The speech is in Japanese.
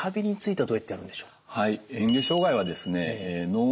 はい。